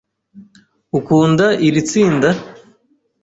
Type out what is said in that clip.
Ukunda iri tsinda?